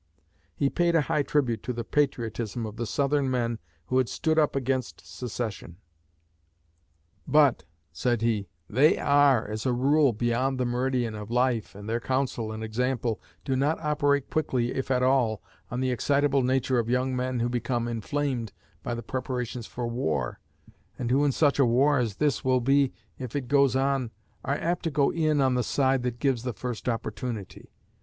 He paid a high tribute to the patriotism of the Southern men who had stood up against secession. "But," said he, "they are, as a rule, beyond the meridian of life, and their counsel and example do not operate quickly, if at all, on the excitable nature of young men who become inflamed by the preparations for war, and who in such a war as this will be, if it goes on, are apt to go in on the side that gives the first opportunity.